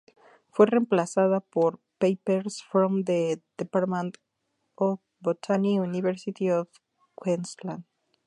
Fue reemplazada por "Papers from the Department of Botany, University of Queensland".